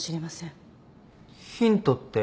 ヒントって。